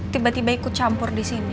tiba tiba ikut campur disini